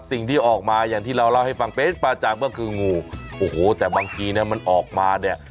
สิ่งที่ออกมาอย่างที่เราเล่าให้ฟังเป็นประจำก็คืองูโอ้โหแต่บางทีเนี่ยมันออกมาเนี่ย